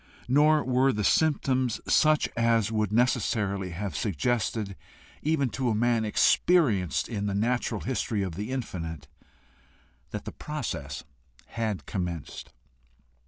Nor were the symptoms such as would necessarily have suggested, even to a man experienced in the natural history of the infinite, that the process had commenced.